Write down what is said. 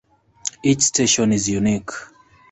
Each station is unique.